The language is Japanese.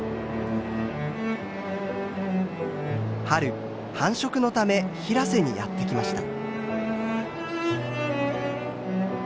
春繁殖のため平瀬にやって来ました。